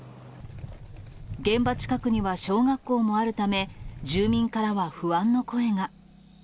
現場近くには小学校もあるため、住民からは不安の声が。